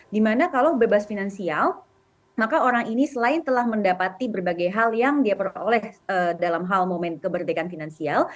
dimana kalau bebas finansial maka orang ini selain telah mendapati berbagai hal yang dia peroleh dalam hal momen kemerdekaan finansial